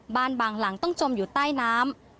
บางหลังต้องจมอยู่ใต้น้ำ